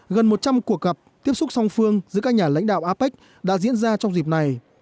gần một trăm linh cuộc gặp tiếp xúc song phương giữa các nhà lãnh đạo apec đã diễn ra trong dịp này